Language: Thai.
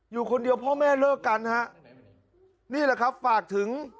อยู่คนเดียวพ่อแม่เลิกกันฮะนี่แหละครับฝากถึง